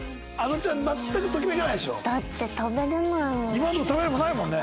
今のとこ食べれるものないもんね。